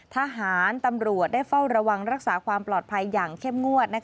ทหารตำรวจได้เฝ้าระวังรักษาความปลอดภัยอย่างเข้มงวด